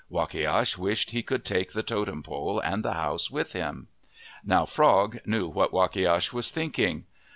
Wakiash wished he could take the totem pole and the house with him. Now Frog knew what Wakiash was thinking.